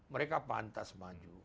mereka pantas maju